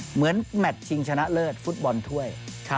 เหมือนแมทชิงชนะเลิศฟุตบอลถ้วย